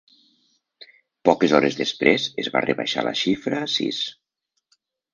Poques hores després, es va rebaixar la xifra a sis.